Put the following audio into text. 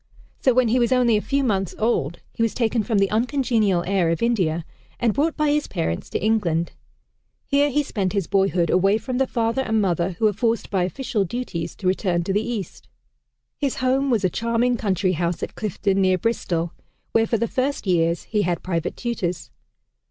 So when he was only a few months old, he was taken from the uncongenial air of India and brought by his parents to England. Here he spent his boyhood, away from the father and mother who were forced by official duties to return to the East. His home was a charming country house at Clifton near Bristol, where for the first years he had private tutors.